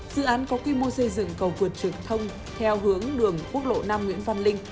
dự án có quy mô xây dựng cầu vượt trực thông theo hướng đường quốc lộ năm nguyễn văn linh